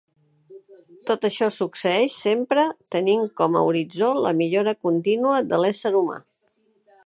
Tot això succeeix sempre tenint com a horitzó la millora contínua de l'ésser humà.